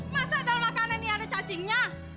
masa dalam makanan ini ada cacingnya